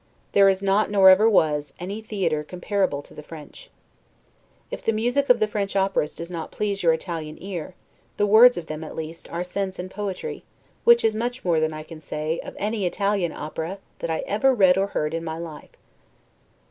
There is not, nor ever was, any theatre comparable to the French. If the music of the French operas does not please your Italian ear, the words of them, at least, are sense and poetry, which is much more than I can, say of any Italian opera that I ever read or heard in my life.